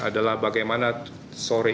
adalah bagaimana sore